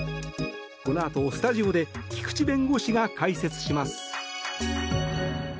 このあとスタジオで菊地弁護士が解説します。